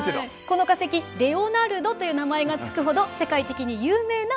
この化石レオナルドという名前が付くほど世界的に有名なミイラ化石なんです。